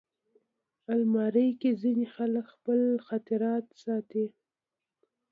الماري کې ځینې خلک خپل خاطرات ساتي